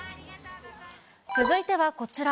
続いてはこちら。